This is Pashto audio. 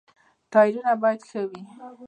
ټایرونه باید ښه وي.